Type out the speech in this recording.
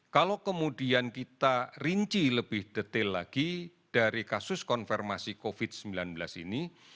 kalau kemudian kita rinci lebih detail lagi dari kasus konfirmasi covid sembilan belas ini